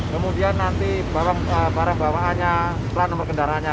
kemudian nanti barang bawaannya plat nomor kendaraannya